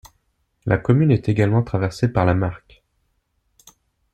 La commune est également traversée par la Marque.